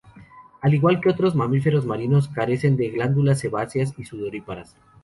Al igual que otros mamíferos marinos, carecen de glándulas sebáceas y sudoríparas.